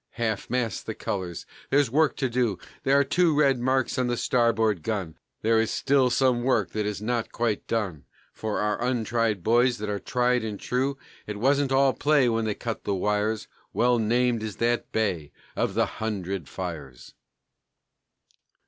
Half mast the colors! there's work to do! There are two red marks on the starboard gun, There is still some work that is not quite done, For our "untried" boys that are tried and true. It wasn't all play when they cut the wires, Well named is that bay of the "Hundred Fires."